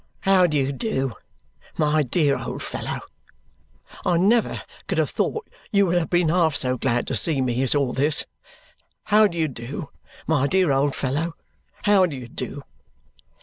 "How do you do, my dear old fellow? I never could have thought you would have been half so glad to see me as all this. How do you do, my dear old fellow, how do you do!"